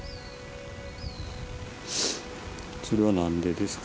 それは何でですか？